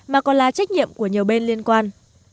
mà còn là trách nhiệm của nhiều bên liên quan